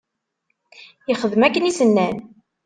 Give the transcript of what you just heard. Yexdem akken i s-nnan.